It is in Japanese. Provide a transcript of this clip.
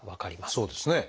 そうですね。